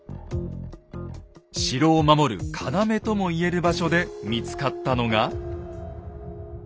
城を守る要とも言える場所で見つかったのが。